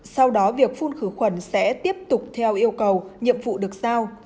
sau đó việc phun khử quần sẽ tiếp tục theo yêu cầu nhiệm vụ được giao